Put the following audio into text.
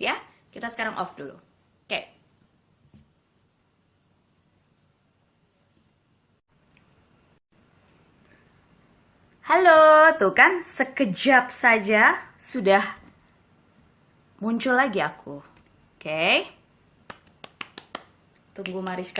ya kita sekarang off dulu oke halo tuh kan sekejap saja sudah muncul lagi aku oke tunggu mariska